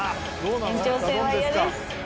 延長戦は嫌です。